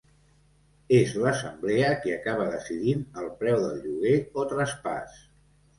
És l'assemblea qui acaba decidint el preu del lloguer o traspàs.